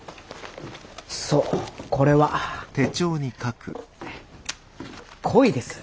そうこれは恋です。